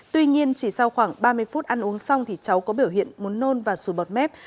tuy nhiên chỉ sau khoảng ba mươi phút ăn uống xong thì cháu có biểu hiện muốn nôn và sùi bọt mép